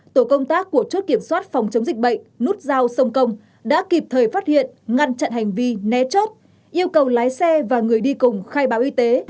tổ công tác của chốt kiểm soát phòng chống dịch bệnh nút giao sông công đã kịp thời phát hiện ngăn chặn hành vi né chốt yêu cầu lái xe và người đi cùng khai báo y tế